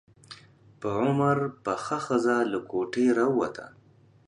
په عمر پخه ښځه له کوټې راووته.